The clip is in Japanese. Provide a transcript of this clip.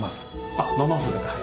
あっなます。